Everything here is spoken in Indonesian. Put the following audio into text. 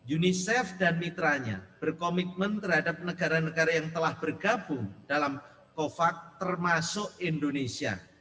unicef dan mitranya berkomitmen terhadap negara negara yang telah bergabung dalam covax termasuk indonesia